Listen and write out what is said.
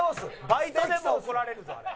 「バイトでも怒られるぞあれ」